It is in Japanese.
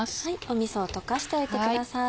みそを溶かしておいてください。